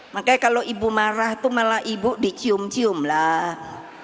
makanya kalau ibu marah tuh malah ibu dicium cium lah